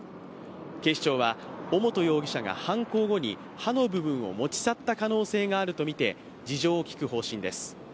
警視庁は、尾本容疑者が犯行後に刃の部分を持ち去った可能性があるとみて事情を聴く方針です。